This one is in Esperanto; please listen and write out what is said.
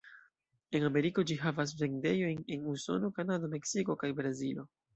En Ameriko ĝi havas vendejojn en Usono, Kanado, Meksiko kaj Brazilo.